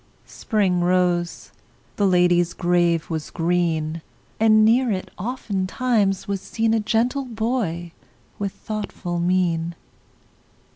Spring rose; the lady's grave was green; And near it, oftentimes, was seen A gentle boy with thoughtful mien.